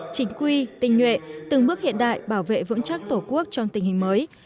chính quy tình nguyện từng bước hiện đại bảo vệ vững chắc tổ quốc trong tình hình mới